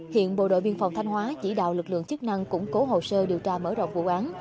hiện bộ đội biên phòng thanh hóa chỉ đạo lực lượng chức năng củng cố hồ sơ điều tra mở rộng vụ án